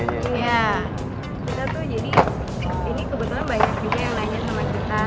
iya kita tuh jadi ini kebetulan banyak juga yang nanya sama kita